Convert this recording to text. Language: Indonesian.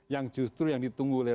yang justru yang ditunggu oleh